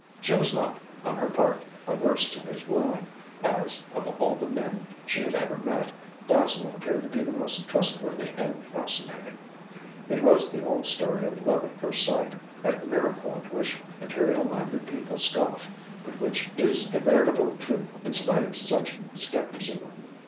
She was not, on her part, averse to his wooing, as, of all the men she had ever met, Basil appeared to be the most trustworthy and fascinating. It was the old story of love at first sight, that miracle at which material minded people scoff, but which is a veritable truth in spite of such scepticism.